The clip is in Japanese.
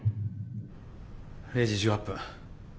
０時１８分